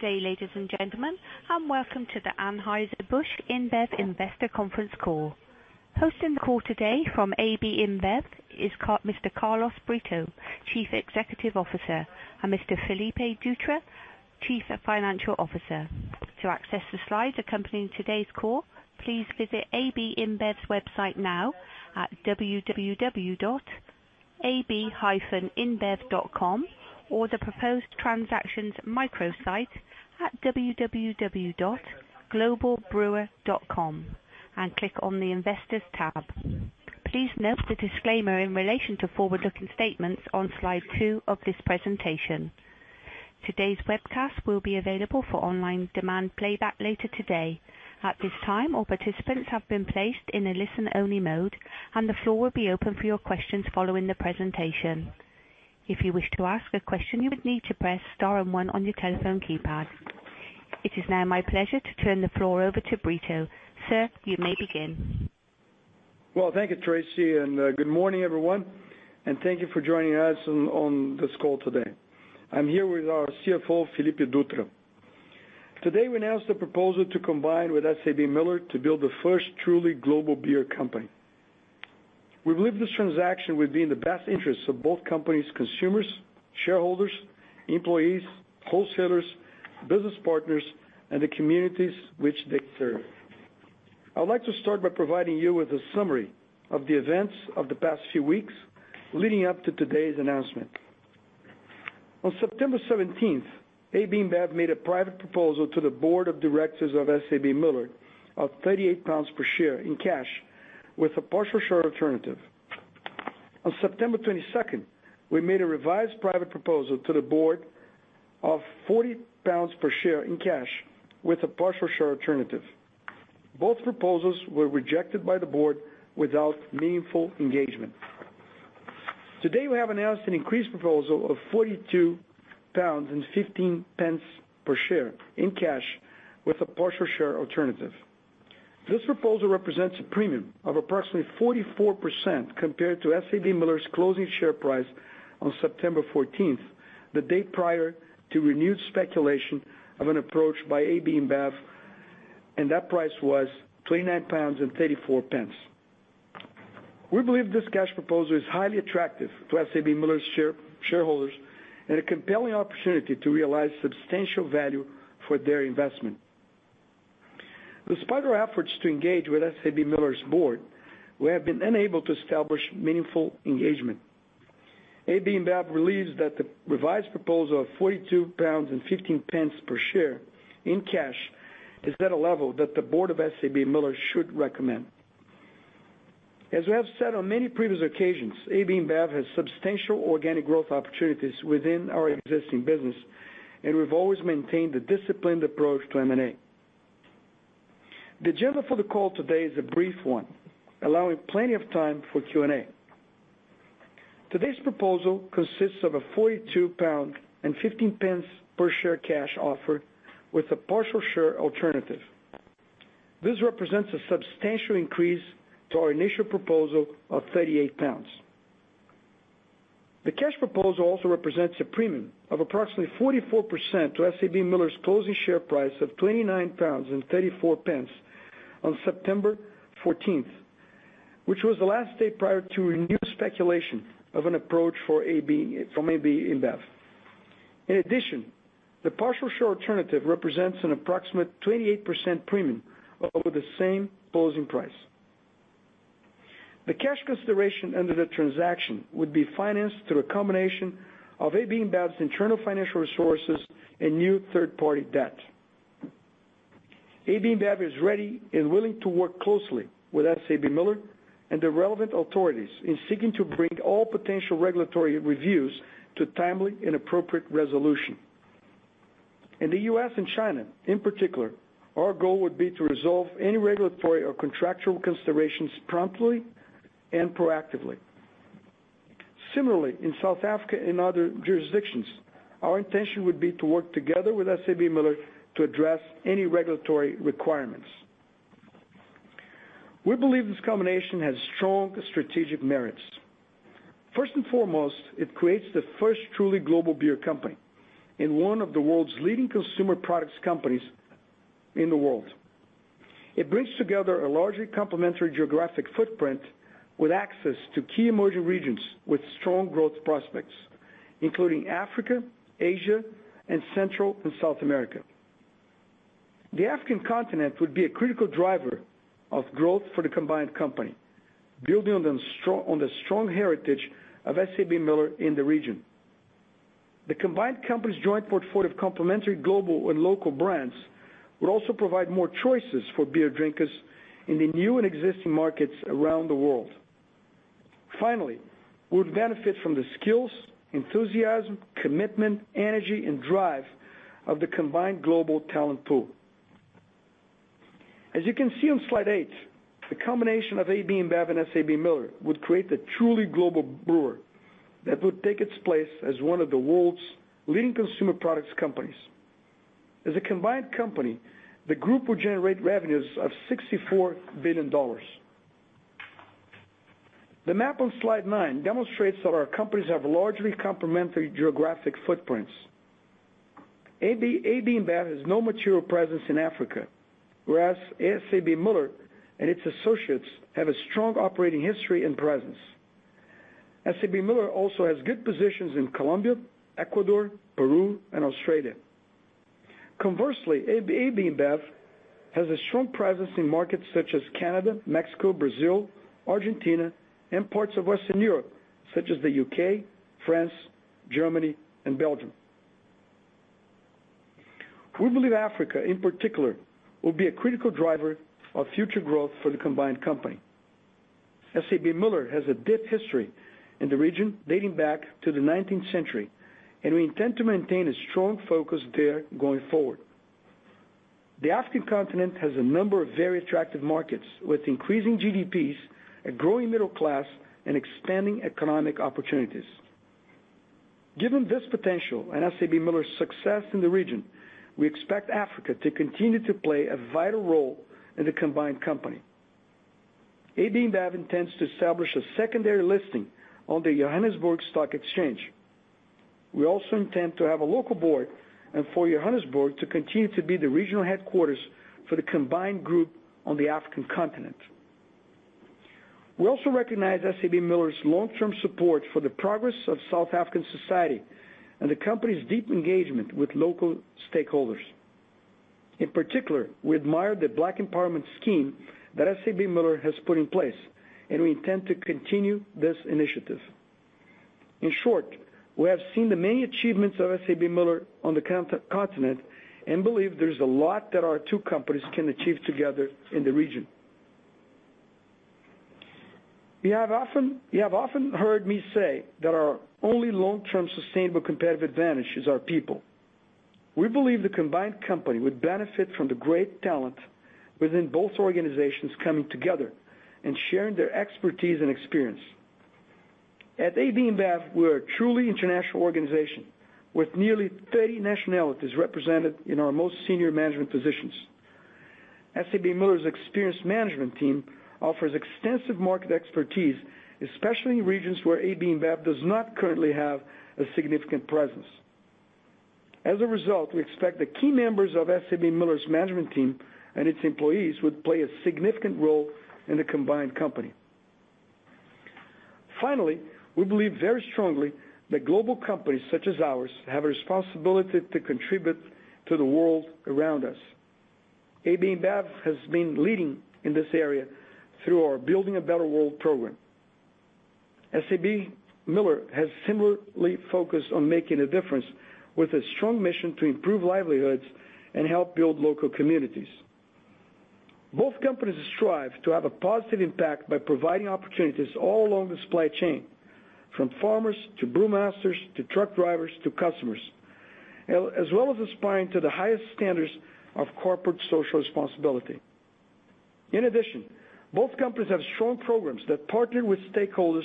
Good day, ladies and gentlemen, and welcome to the Anheuser-Busch InBev Investor Conference Call. Hosting the call today from AB InBev is Mr. Carlos Brito, Chief Executive Officer, and Mr. Felipe Dutra, Chief Financial Officer. To access the slides accompanying today's call, please visit AB InBev's website now at www.ab-inbev.com, or the proposed transactions microsite at www.globalbrewer.com and click on the investors tab. Please note the disclaimer in relation to forward-looking statements on slide two of this presentation. Today's webcast will be available for online demand playback later today. At this time, all participants have been placed in a listen-only mode. The floor will be open for your questions following the presentation. If you wish to ask a question, you would need to press star and one on your telephone keypad. It is now my pleasure to turn the floor over to Brito. Sir, you may begin. Thank you, Tracy. Good morning, everyone, and thank you for joining us on this call today. I'm here with our CFO, Felipe Dutra. Today, we announced a proposal to combine with SABMiller to build the first truly global beer company. We believe this transaction would be in the best interests of both companies, consumers, shareholders, employees, wholesalers, business partners, and the communities which they serve. I'd like to start by providing you with a summary of the events of the past few weeks leading up to today's announcement. On September 17th, AB InBev made a private proposal to the board of directors of SABMiller of 38 pounds per share in cash with a partial share alternative. On September 22nd, we made a revised private proposal to the board of 40 pounds per share in cash with a partial share alternative. Both proposals were rejected by the board without meaningful engagement. Today, we have announced an increased proposal of 42.15 pounds per share in cash with a partial share alternative. This proposal represents a premium of approximately 44% compared to SABMiller's closing share price on September 14th, the day prior to renewed speculation of an approach by AB InBev. That price was 29.34 pounds. We believe this cash proposal is highly attractive to SABMiller's shareholders and a compelling opportunity to realize substantial value for their investment. Despite our efforts to engage with SABMiller's board, we have been unable to establish meaningful engagement. AB InBev believes that the revised proposal of 42.15 pounds per share in cash is at a level that the board of SABMiller should recommend. As we have said on many previous occasions, AB InBev has substantial organic growth opportunities within our existing business. We've always maintained a disciplined approach to M&A. The agenda for the call today is a brief one, allowing plenty of time for Q&A. Today's proposal consists of a 42.15 pound per share cash offer with a partial share alternative. This represents a substantial increase to our initial proposal of 38 pounds. The cash proposal also represents a premium of approximately 44% to SABMiller's closing share price of 29.34 pounds on September 14th, which was the last day prior to renewed speculation of an approach from AB InBev. In addition, the partial share alternative represents an approximate 28% premium over the same closing price. The cash consideration under the transaction would be financed through a combination of AB InBev's internal financial resources and new third-party debt. AB InBev is ready and willing to work closely with SABMiller and the relevant authorities in seeking to bring all potential regulatory reviews to timely and appropriate resolution. In the U.S. and China, in particular, our goal would be to resolve any regulatory or contractual considerations promptly and proactively. Similarly, in South Africa and other jurisdictions, our intention would be to work together with SABMiller to address any regulatory requirements. We believe this combination has strong strategic merits. First and foremost, it creates the first truly global beer company and one of the world's leading consumer products companies in the world. It brings together a largely complementary geographic footprint with access to key emerging regions with strong growth prospects, including Africa, Asia, and Central and South America. The African continent would be a critical driver of growth for the combined company, building on the strong heritage of SABMiller in the region. The combined company's joint portfolio of complementary global and local brands would also provide more choices for beer drinkers in the new and existing markets around the world. Finally, we would benefit from the skills, enthusiasm, commitment, energy, and drive of the combined global talent pool. As you can see on slide eight, the combination of AB InBev and SABMiller would create a truly global brewer that would take its place as one of the world's leading consumer products companies. As a combined company, the group will generate revenues of $64 billion. The map on slide nine demonstrates that our companies have largely complementary geographic footprints. AB InBev has no material presence in Africa, whereas SABMiller and its associates have a strong operating history and presence. SABMiller also has good positions in Colombia, Ecuador, Peru, and Australia. Conversely, AB InBev has a strong presence in markets such as Canada, Mexico, Brazil, Argentina, and parts of Western Europe, such as the U.K., France, Germany, and Belgium. We believe Africa, in particular, will be a critical driver of future growth for the combined company. SABMiller has a deep history in the region dating back to the 19th century, and we intend to maintain a strong focus there going forward. The African continent has a number of very attractive markets with increasing GDPs, a growing middle class, and expanding economic opportunities. Given this potential and SABMiller's success in the region, we expect Africa to continue to play a vital role in the combined company. AB InBev intends to establish a secondary listing on the Johannesburg Stock Exchange. We also intend to have a local board and for Johannesburg to continue to be the regional headquarters for the combined group on the African continent. We also recognize SABMiller's long-term support for the progress of South African society and the company's deep engagement with local stakeholders. In particular, we admire the Black Empowerment Scheme that SABMiller has put in place, and we intend to continue this initiative. In short, we have seen the many achievements of SABMiller on the continent and believe there's a lot that our two companies can achieve together in the region. You have often heard me say that our only long-term sustainable competitive advantage is our people. We believe the combined company would benefit from the great talent within both organizations coming together and sharing their expertise and experience. At AB InBev, we're a truly international organization with nearly 30 nationalities represented in our most senior management positions. SABMiller's experienced management team offers extensive market expertise, especially in regions where AB InBev does not currently have a significant presence. As a result, we expect the key members of SABMiller's management team and its employees would play a significant role in the combined company. Finally, we believe very strongly that global companies such as ours have a responsibility to contribute to the world around us. AB InBev has been leading in this area through our Building a Better World program. SABMiller has similarly focused on making a difference with a strong mission to improve livelihoods and help build local communities. Both companies strive to have a positive impact by providing opportunities all along the supply chain, from farmers to brewmasters, to truck drivers, to customers, as well as aspiring to the highest standards of corporate social responsibility. In addition, both companies have strong programs that partner with stakeholders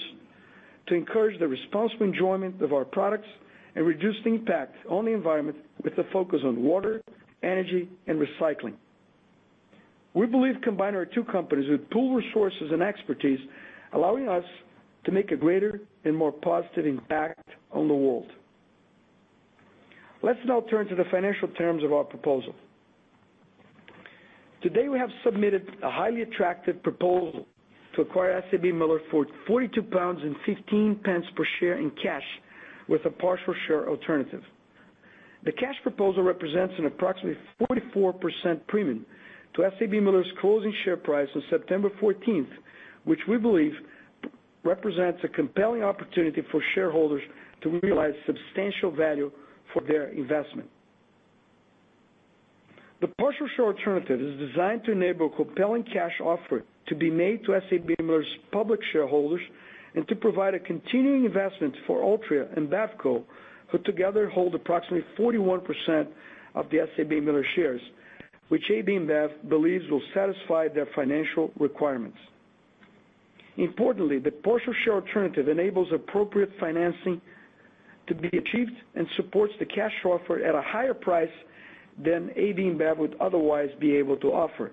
to encourage the responsible enjoyment of our products and reduce the impact on the environment with a focus on water, energy, and recycling. We believe combining our two companies would pool resources and expertise, allowing us to make a greater and more positive impact on the world. Let's now turn to the financial terms of our proposal. Today, we have submitted a highly attractive proposal to acquire SABMiller for £42.15 per share in cash with a partial share alternative. The cash proposal represents an approximately 44% premium to SABMiller's closing share price on September 14th, which we believe represents a compelling opportunity for shareholders to realize substantial value for their investment. The partial share alternative is designed to enable a compelling cash offer to be made to SABMiller's public shareholders and to provide a continuing investment for Altria and BevCo, who together hold approximately 41% of the SABMiller shares, which AB InBev believes will satisfy their financial requirements. Importantly, the partial share alternative enables appropriate financing to be achieved and supports the cash offer at a higher price than AB InBev would otherwise be able to offer.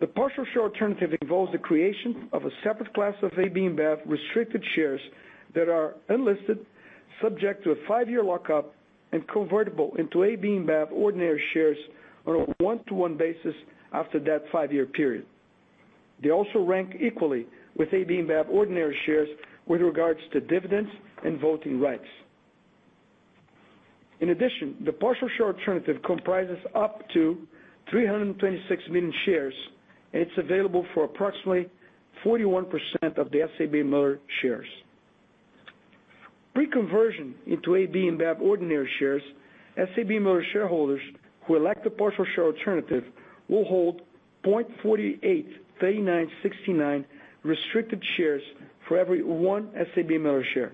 The partial share alternative involves the creation of a separate class of AB InBev restricted shares that are unlisted, subject to a five-year lockup, and convertible into AB InBev ordinary shares on a one-to-one basis after that five-year period. They also rank equally with AB InBev ordinary shares with regards to dividends and voting rights. In addition, the partial share alternative comprises up to 326 million shares, and it's available for approximately 41% of the SABMiller shares. Pre-conversion into AB InBev ordinary shares, SABMiller shareholders who elect the partial share alternative will hold 0.483969 restricted shares for every one SABMiller share.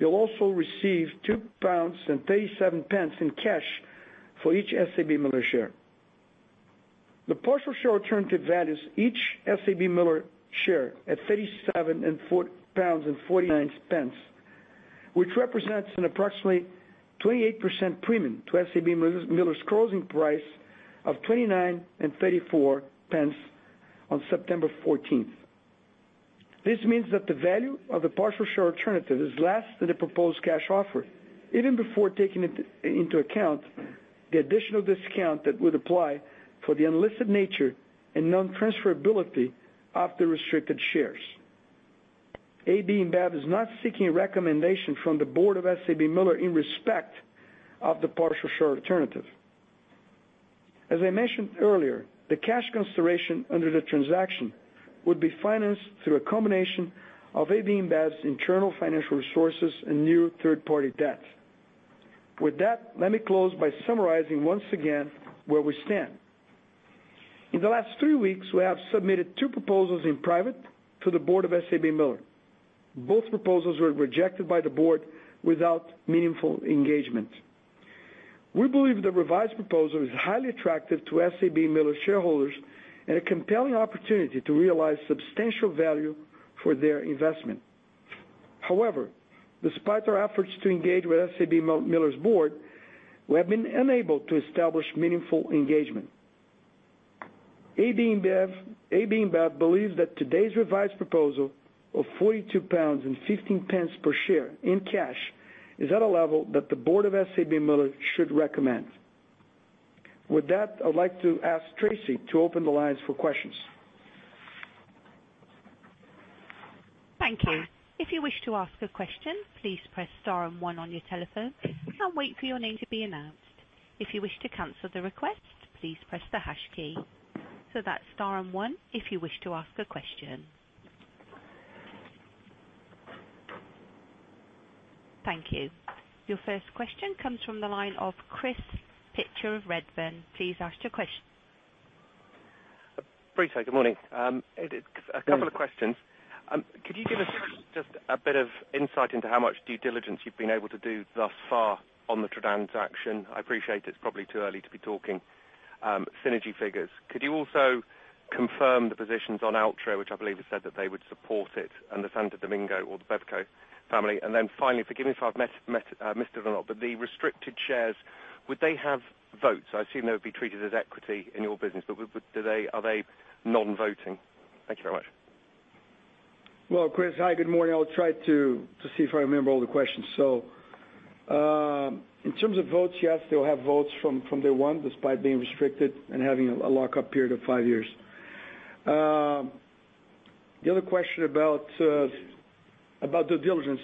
They'll also receive £2.37 in cash for each SABMiller share. The partial share alternative values each SABMiller share at £37.49, which represents an approximately 28% premium to SABMiller's closing price of £29.34 on September 14th. This means that the value of the partial share alternative is less than the proposed cash offer, even before taking into account the additional discount that would apply for the unlisted nature and non-transferability of the restricted shares. AB InBev is not seeking a recommendation from the board of SABMiller in respect of the partial share alternative. As I mentioned earlier, the cash consideration under the transaction would be financed through a combination of AB InBev's internal financial resources and new third-party debt. With that, let me close by summarizing once again where we stand. In the last three weeks, we have submitted two proposals in private to the board of SABMiller. Both proposals were rejected by the board without meaningful engagement. We believe the revised proposal is highly attractive to SABMiller shareholders, and a compelling opportunity to realize substantial value for their investment. However, despite our efforts to engage with SABMiller's board, we have been unable to establish meaningful engagement. AB InBev believes that today's revised proposal of 42.15 pounds per share in cash is at a level that the board of SABMiller should recommend. With that, I would like to ask Tracy to open the lines for questions. Thank you. If you wish to ask a question, please press star and one on your telephone and wait for your name to be announced. If you wish to cancel the request, please press the hash key. That's star and one if you wish to ask a question. Thank you. Your first question comes from the line of Chris Pitcher of Redburn. Please ask your question. Chris, good morning. A couple of questions. Could you give us just a bit of insight into how much due diligence you've been able to do thus far on the transaction? I appreciate it's probably too early to be talking synergy figures. Could you also confirm the positions on Altria, which I believe has said that they would support it, and the Santo Domingo or the BevCo family? Then finally, forgive me if I've missed it or not, but the restricted shares, would they have votes? I assume they would be treated as equity in your business, but are they non-voting? Thank you very much. Well, Chris. Hi, good morning. I'll try to see if I remember all the questions. In terms of votes, yes, they'll have votes from day one, despite being restricted and having a lock-up period of five years. The other question about due diligence.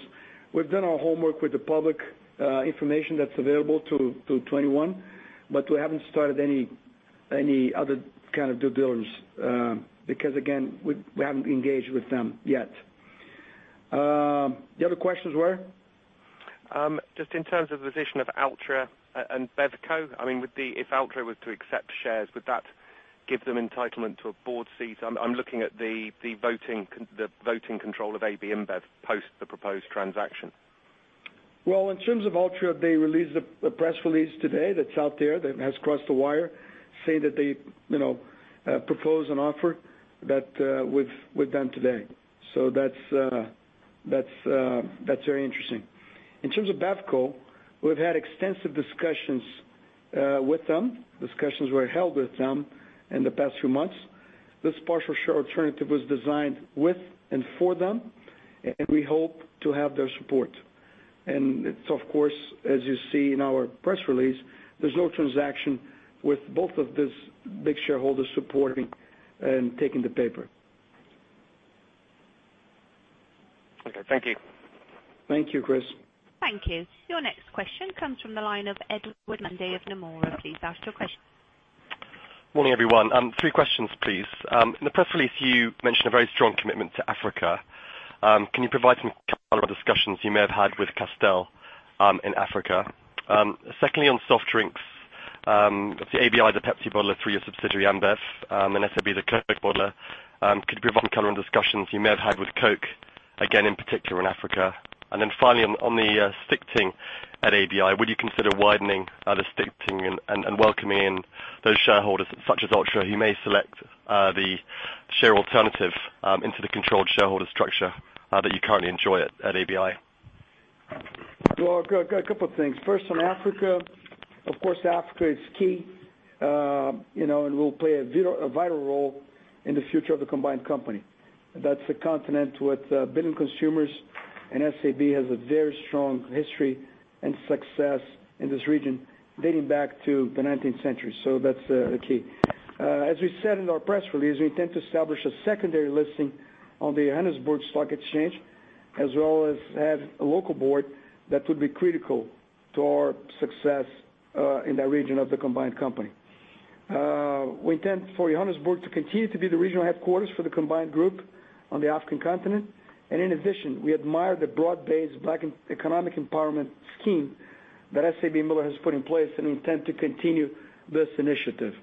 We've done our homework with the public information that's available to 21, but we haven't started any other kind of due diligence, because again, we haven't engaged with them yet. The other questions were? Just in terms of the position of Altria and BevCo, if Altria was to accept shares, would that give them entitlement to a board seat? I'm looking at the voting control of AB InBev post the proposed transaction. Well, in terms of Altria, they released a press release today that's out there that has crossed the wire, saying that they propose an offer with them today. That's very interesting. In terms of BevCo, we've had extensive discussions with them. Discussions were held with them in the past few months. This partial share alternative was designed with and for them, and we hope to have their support. Of course, as you see in our press release, there's no transaction with both of these big shareholders supporting and taking the paper. Okay, thank you. Thank you, Chris. Thank you. Your next question comes from the line of Edward Mundy of Nomura. Please ask your question. Morning, everyone. Three questions, please. In the press release, you mention a very strong commitment to Africa. Can you provide some color on discussions you may have had with Castel in Africa? Secondly, on soft drinks, obviously ABI is a Pepsi bottler through your subsidiary, Ambev, and SAB is a Coke bottler. Could you provide any color on discussions you may have had with Coke, again, in particular in Africa? Finally, on the stichting at ABI, would you consider widening the stichting and welcoming in those shareholders such as Altria, who may select the share alternative into the controlled shareholder structure that you currently enjoy at ABI? Well, a couple of things. First, on Africa, of course, Africa is key, and will play a vital role in the future of the combined company. That's a continent with billion consumers, and SAB has a very strong history and success in this region, dating back to the 19th century. That's key. As we said in our press release, we intend to establish a secondary listing on the Johannesburg Stock Exchange, as well as have a local board that would be critical to our success in that region of the combined company. We intend for Johannesburg to continue to be the regional headquarters for the combined group on the African continent. In addition, we admire the Broad-Based Black Economic Empowerment scheme that SABMiller has put in place and intend to continue this initiative.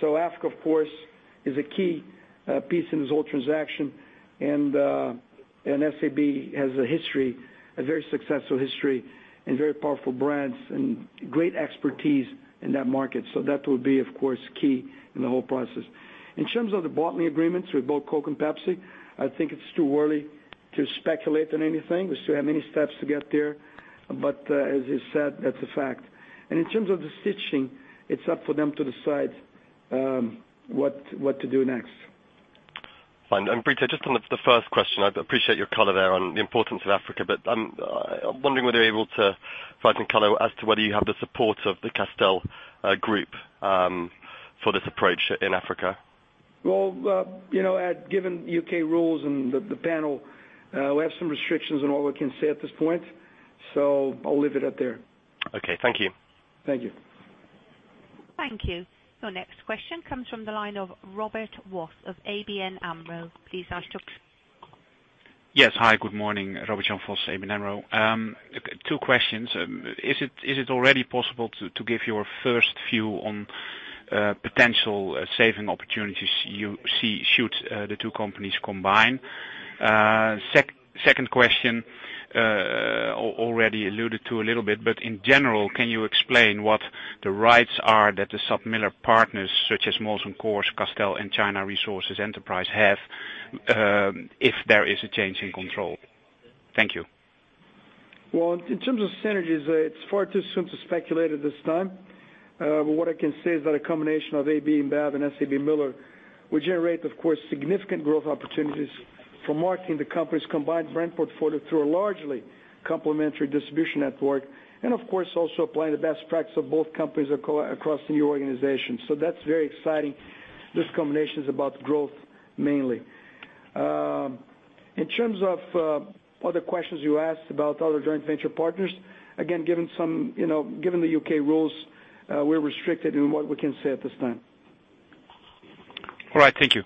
Africa, of course, is a key piece in this whole transaction, and SAB has a history, a very successful history, and very powerful brands and great expertise in that market. That will be, of course, key in the whole process. In terms of the bottling agreements with both Coke and Pepsi I think it's too early to speculate on anything. We still have many steps to get there. As you said, that's a fact. In terms of the stichting, it's up for them to decide what to do next. Fine. Brito, just on the first question, I appreciate your color there on the importance of Africa, I'm wondering whether you're able to provide any color as to whether you have the support of the Castel Group for this approach in Africa. Well, given U.K. rules and the Panel, we have some restrictions on all we can say at this point, I'll leave it at there. Okay. Thank you. Thank you. Thank you. Your next question comes from the line of Robert Vos of ABN AMRO. Please ask your question. Yes. Hi, good morning. Robert Jan Vos, ABN AMRO. Two questions. Is it already possible to give your first view on potential saving opportunities you see, should the two companies combine? Second question, already alluded to a little bit, but in general, can you explain what the rights are that the SABMiller partners, such as Molson Coors, Castel, and China Resources Enterprise have, if there is a change in control? Thank you. Well, in terms of synergies, it's far too soon to speculate at this time. What I can say is that a combination of AB InBev and SABMiller would generate, of course, significant growth opportunities for marketing the company's combined brand portfolio through a largely complementary distribution network, and of course, also applying the best practices of both companies across the new organization. That's very exciting. This combination is about growth, mainly. In terms of other questions you asked about other joint venture partners. Again, given the U.K. rules, we're restricted in what we can say at this time. All right. Thank you.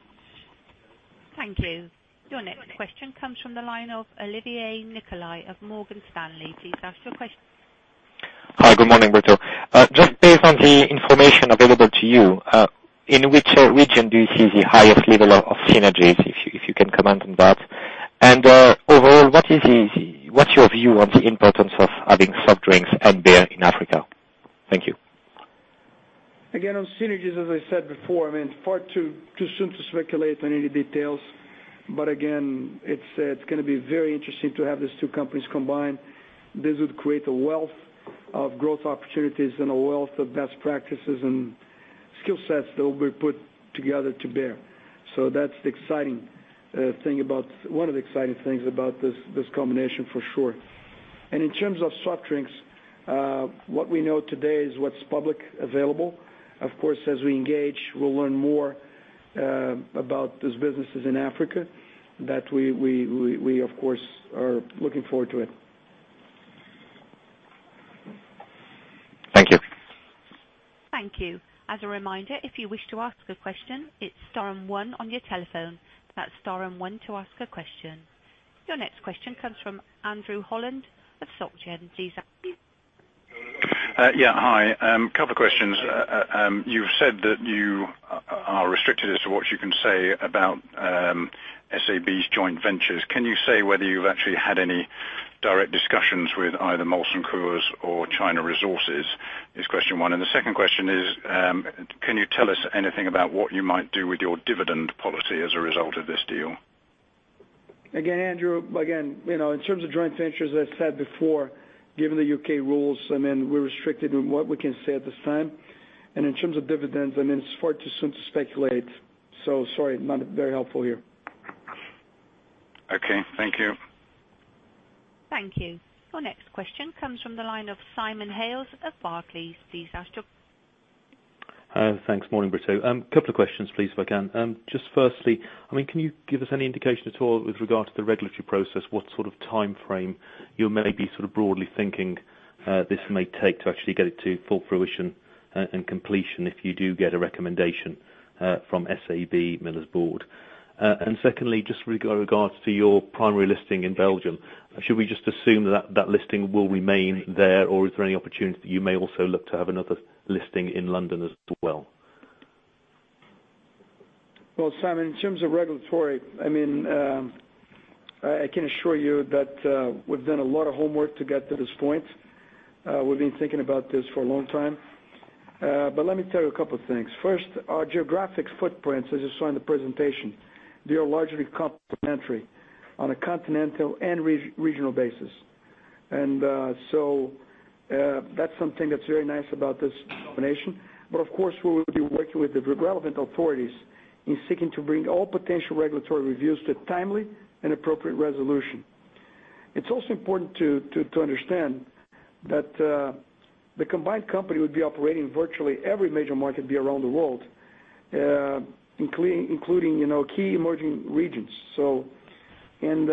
Thank you. Your next question comes from the line of Olivier Nicolai of Morgan Stanley. Please ask your question. Hi. Good morning, Brito. Just based on the information available to you, in which region do you see the highest level of synergies, if you can comment on that? Overall, what's your view on the importance of having soft drinks and beer in Africa? Thank you. Again, on synergies, as I said before, far too soon to speculate on any details. Again, it's going to be very interesting to have these two companies combine. This would create a wealth of growth opportunities and a wealth of best practices and skill sets that will be put together to bear. That's one of the exciting things about this combination, for sure. In terms of soft drinks, what we know today is what's publicly available. Of course, as we engage, we'll learn more about these businesses in Africa. That we, of course, are looking forward to it. Thank you. Thank you. As a reminder, if you wish to ask a question, it is star and one on your telephone. That is star and one to ask a question. Your next question comes from Andrew Holland of SocGen. Yeah. Hi. Couple of questions. You have said that you are restricted as to what you can say about SAB's joint ventures. Can you say whether you have actually had any direct discussions with either Molson Coors or China Resources? Is question one. The second question is, can you tell us anything about what you might do with your dividend policy as a result of this deal? Again, Andrew, in terms of joint ventures, as I said before, given the U.K. rules, we are restricted in what we can say at this time. In terms of dividends, it is far too soon to speculate. Sorry, not very helpful here. Okay. Thank you. Thank you. Your next question comes from the line of Simon Hales of Barclays. Please ask. Thanks. Morning, Brito. Couple of questions, please, if I can. Just firstly, can you give us any indication at all with regard to the regulatory process, what sort of timeframe you may be broadly thinking this may take to actually get it to full fruition and completion if you do get a recommendation from SABMiller's board? Secondly, just with regards to your primary listing in Belgium, should we just assume that listing will remain there, or is there any opportunity that you may also look to have another listing in London as well? Well, Simon, in terms of regulatory, I can assure you that we've done a lot of homework to get to this point. We've been thinking about this for a long time. Let me tell you a couple of things. First, our geographic footprints, as you saw in the presentation, they are largely complementary on a continental and regional basis. That's something that's very nice about this combination. Of course, we will be working with the relevant authorities in seeking to bring all potential regulatory reviews to timely and appropriate resolution. It's also important to understand that the combined company would be operating virtually every major market around the world, including key emerging regions. In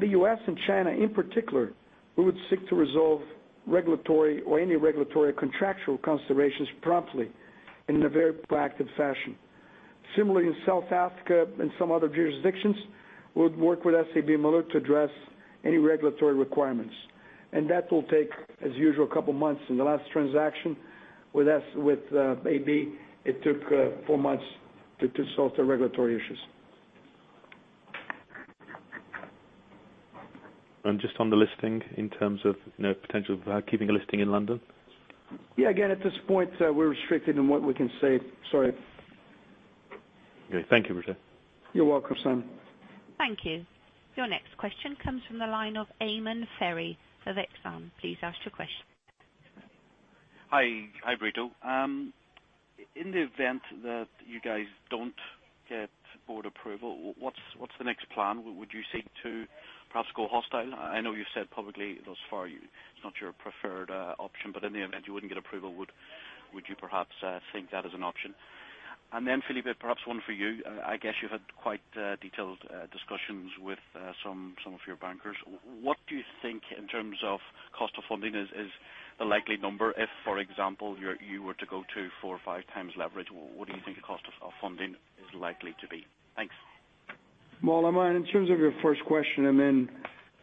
the U.S. and China in particular, we would seek to resolve regulatory or any regulatory contractual considerations promptly and in a very proactive fashion. Similarly, in South Africa and some other jurisdictions, we would work with SABMiller to address any regulatory requirements. That will take, as usual, a couple of months. In the last transaction with AB, it took four months to sort the regulatory issues. Just on the listing in terms of potential of keeping a listing in London? Yeah. Again, at this point, we're restricted in what we can say. Sorry. Okay. Thank you, Brito. You're welcome, Simon. Thank you. Your next question comes from the line of Eamonn Ferry of Exane. Please ask your question. Hi, Brito. In the event that you guys don't get board approval, what's the next plan? Would you seek to perhaps go hostile? I know you've said publicly, thus far, it's not your preferred option, but in the event you wouldn't get approval, would you perhaps think that as an option? Felipe, perhaps one for you. I guess you've had quite detailed discussions with some of your bankers. What do you think in terms of cost of funding is the likely number if, for example, you were to go two, four, or five times leverage? What do you think the cost of funding is likely to be? Thanks. Well, Eamonn, in terms of your first question,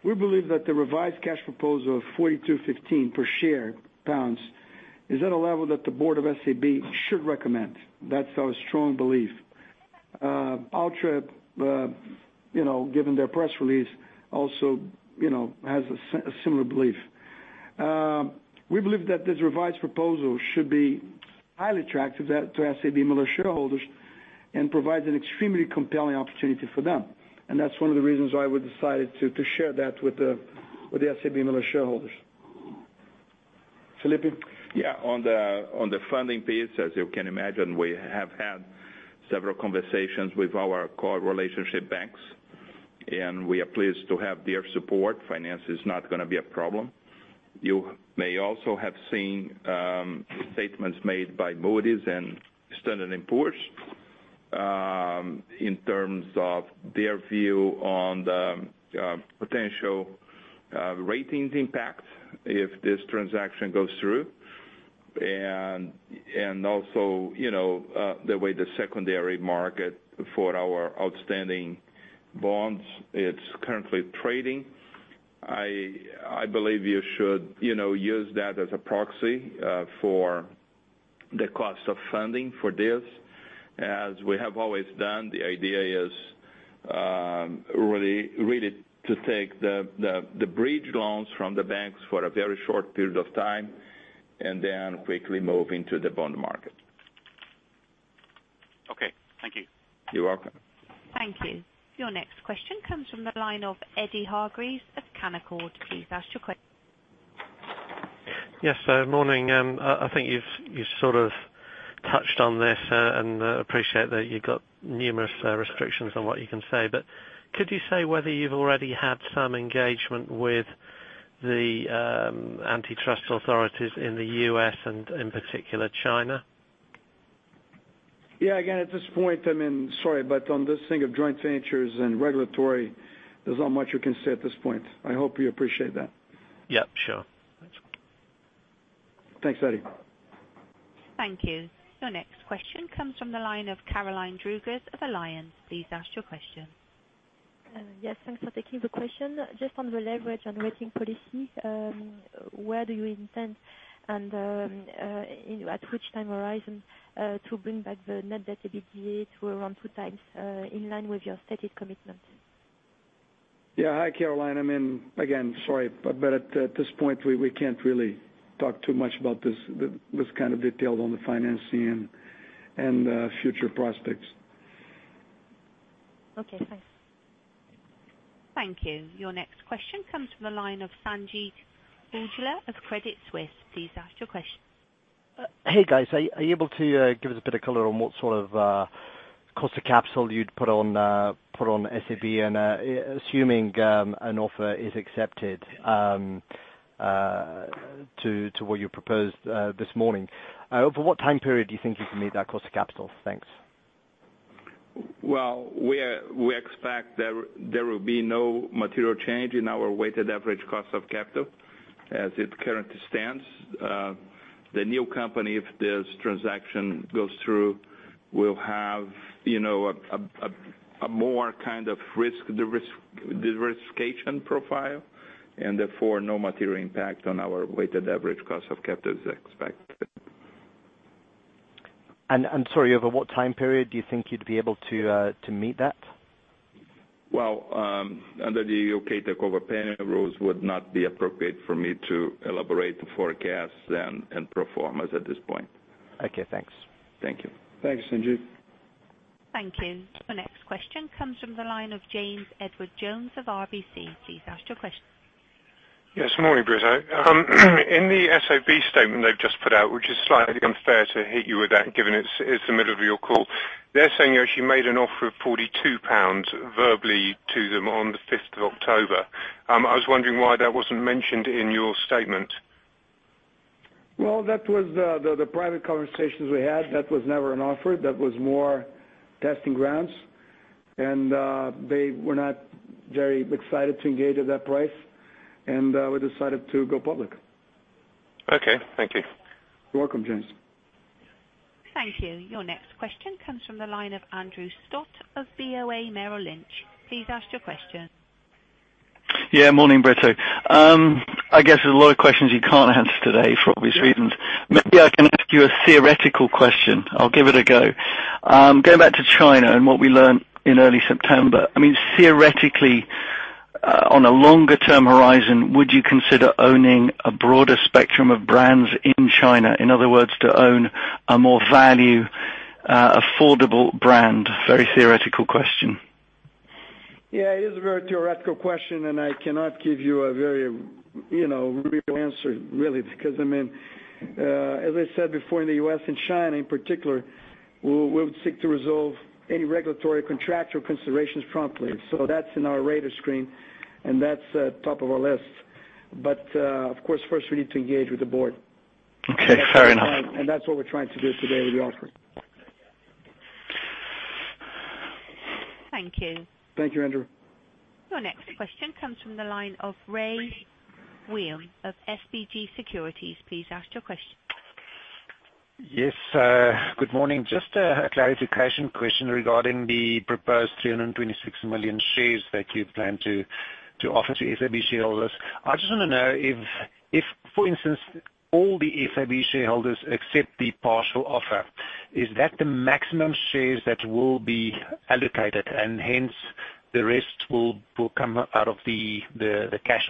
we believe that the revised cash proposal of 42.15 per share is at a level that the board of SAB should recommend. That's our strong belief. Altria, given their press release, also has a similar belief. We believe that this revised proposal should be highly attractive to SABMiller shareholders and provides an extremely compelling opportunity for them, that's one of the reasons why we decided to share that with the SABMiller shareholders. Felipe? Yeah. On the funding piece, as you can imagine, we have had several conversations with our core relationship banks, and we are pleased to have their support. Finance is not going to be a problem. You may also have seen statements made by Moody's and Standard & Poor's in terms of their view on the potential ratings impact if this transaction goes through, and also the way the secondary market for our outstanding bonds is currently trading. I believe you should use that as a proxy for the cost of funding for this. As we have always done, the idea is really to take the bridge loans from the banks for a very short period of time and then quickly move into the bond market. Okay. Thank you. You're welcome. Thank you. Your next question comes from the line of Eddy Hargreaves of Canaccord. Please ask your question. Yes, morning. I think you've sort of touched on this, and appreciate that you've got numerous restrictions on what you can say, but could you say whether you've already had some engagement with the antitrust authorities in the U.S. and in particular China? Yeah. Again, at this point, sorry, but on this thing of joint ventures and regulatory, there's not much we can say at this point. I hope you appreciate that. Yep, sure. Thanks. Thanks, Eddy. Thank you. Your next question comes from the line of Caroline Druggers of Alliance. Please ask your question. Yes, thanks for taking the question. Just on the leverage and rating policy, where do you intend and at which time horizon to bring back the net debt to EBITDA to around two times in line with your stated commitments? Yeah. Hi, Caroline. Again, sorry, but at this point, we can't really talk too much about this kind of detail on the financing and future prospects. Okay, thanks. Thank you. Your next question comes from the line of Sanjeet Aujla of Credit Suisse. Please ask your question. Hey, guys. Are you able to give us a bit of color on what sort of cost of capital you'd put on SAB and assuming an offer is accepted to what you proposed this morning? Over what time period do you think you can meet that cost of capital? Thanks. Well, we expect there will be no material change in our weighted average cost of capital as it currently stands. The new company, if this transaction goes through, will have a more risk diversification profile, and therefore, no material impact on our weighted average cost of capital is expected. Sorry, over what time period do you think you'd be able to meet that? Well, under The Takeover Panel rules would not be appropriate for me to elaborate forecasts and performance at this point. Okay, thanks. Thank you. Thanks, Sanjeet. Thank you. The next question comes from the line of James Edwardes Jones of RBC. Please ask your question. Yes, morning, Brito. In the SAB statement they've just put out, which is slightly unfair to hit you with that, given it's the middle of your call. They're saying you actually made an offer of 42 pounds verbally to them on the 5th of October. I was wondering why that wasn't mentioned in your statement. Well, that was the private conversations we had. That was never an offer. That was more testing grounds, and they were not very excited to engage at that price, and we decided to go public. Okay. Thank you. You're welcome, James. Thank you. Your next question comes from the line of Andrew Stott of BofA Merrill Lynch. Please ask your question. Yeah, morning, Brito. I guess there's a lot of questions you can't answer today for obvious reasons. Yeah. Maybe I can ask you a theoretical question. I'll give it a go Going back to China and what we learned in early September, theoretically, on a longer-term horizon, would you consider owning a broader spectrum of brands in China? In other words, to own a more value affordable brand? Very theoretical question. It is a very theoretical question, and I cannot give you a real answer, really. As I said before, in the U.S. and China in particular, we would seek to resolve any regulatory contractual considerations promptly. That's in our radar screen, and that's top of our list. Of course, first we need to engage with the board. Okay, fair enough. That's what we're trying to do today with the offering. Thank you. Thank you, Andrew. Your next question comes from the line of Ray William of SBG Securities. Please ask your question. Yes, good morning. Just a clarification question regarding the proposed 326 million shares that you plan to offer to SAB shareholders. I just want to know if, for instance, all the SAB shareholders accept the partial offer, is that the maximum shares that will be allocated, and hence the rest will come out of the cash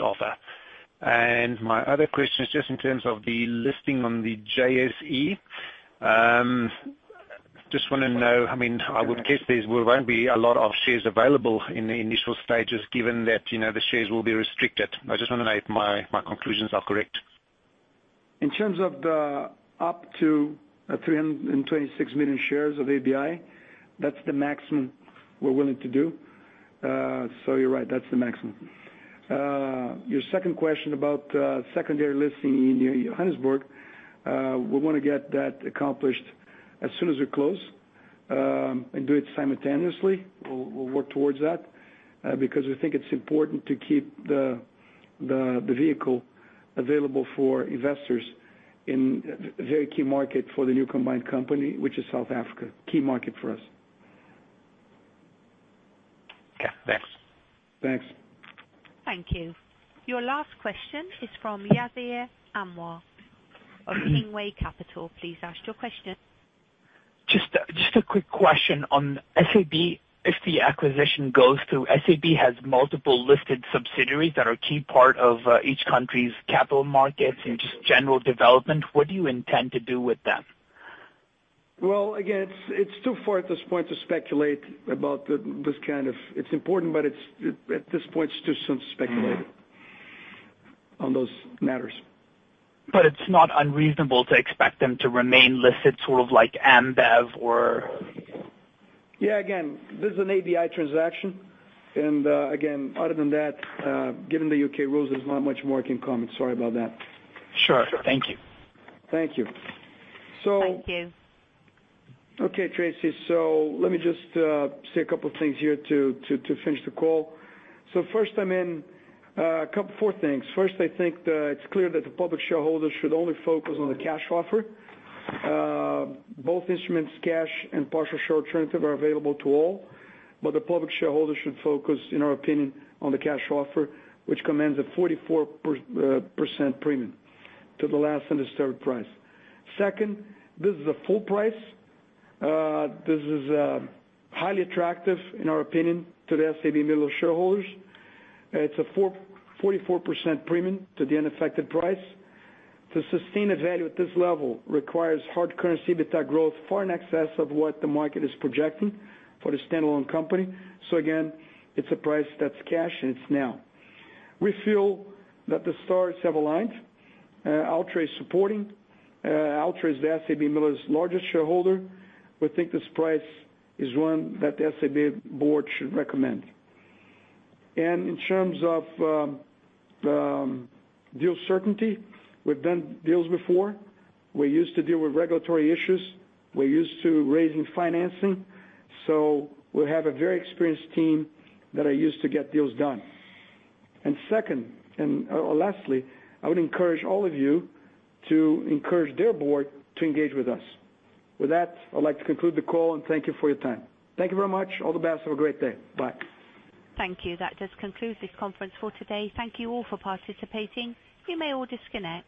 offer? My other question is just in terms of the listing on the JSE. I just want to know, I would guess there won't be a lot of shares available in the initial stages given that the shares will be restricted. I just want to know if my conclusions are correct. In terms of the up to 326 million shares of ABI, that's the maximum we're willing to do. You're right, that's the maximum. Your second question about secondary listing in Johannesburg, we want to get that accomplished as soon as we close, and do it simultaneously. We'll work towards that, because we think it's important to keep the vehicle available for investors in a very key market for the new combined company, which is South Africa. Key market for us. Okay, thanks. Thanks. Thank you. Your last question is from Yasir Anwar of Kingsway Capital. Please ask your question. Just a quick question on SAB. If the acquisition goes through, SAB has multiple listed subsidiaries that are key part of each country's capital markets and just general development. What do you intend to do with them? Well, again, it's too far at this point to speculate about. It's important, but at this point it's just speculation on those matters. It's not unreasonable to expect them to remain listed sort of like Ambev or? Yeah, again, this is an ABI transaction. Again, other than that, given the U.K. rules, there's not much more I can comment. Sorry about that. Sure. Thank you. Thank you. Thank you. Okay, Tracy, let me just say a couple things here to finish the call. First, four things. First, I think that it's clear that the public shareholders should only focus on the cash offer. Both instruments, cash and partial share alternative are available to all, but the public shareholders should focus, in our opinion, on the cash offer, which commands a 44% premium to the last undisturbed price. Second, this is a full price. This is highly attractive in our opinion to the SABMiller shareholders. It's a 44% premium to the unaffected price. To sustain a value at this level requires hard currency EBITDA growth far in excess of what the market is projecting for the standalone company. Again, it's a price that's cash and it's now. We feel that the stars have aligned. Altria is supporting. Altria is the SABMiller's largest shareholder. We think this price is one that the SAB board should recommend. In terms of deal certainty, we've done deals before. We're used to deal with regulatory issues. We're used to raising financing. We have a very experienced team that are used to get deals done. Lastly, I would encourage all of you to encourage their board to engage with us. With that, I'd like to conclude the call and thank you for your time. Thank you very much. All the best, have a great day. Bye. Thank you. That does conclude this conference for today. Thank you all for participating. You may all disconnect.